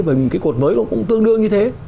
và cái cột mới cũng tương đương như thế